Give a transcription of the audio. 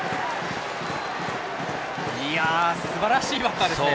すばらしいバッターですね。